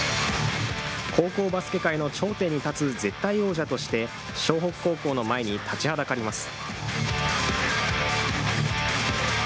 高校バスケ界の頂点に立つ絶対王者として、湘北高校の前に立ちはだかります。